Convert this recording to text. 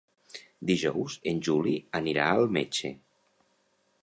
Dijous en Juli anirà al metge.